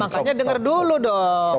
makanya denger dulu dong